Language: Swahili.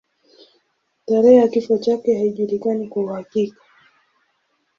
Tarehe ya kifo chake haijulikani kwa uhakika.